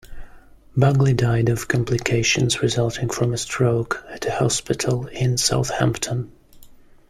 Bagley died of complications resulting from a stroke at a hospital in Southampton.